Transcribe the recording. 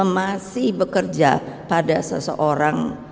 masih bekerja pada seseorang